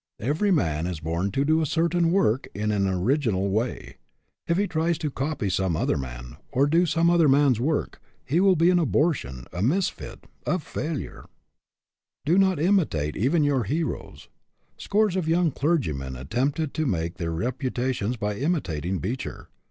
Every man is born to do a certain work in an original way. If he tries to copy some other man, or ORIGINALITY 173 to do some other man's work, he will be an abortion, a misfit, a failure. Do not imitate even your heroes. Scores of young clergymen attempted to make their reputations by imitating Beecher.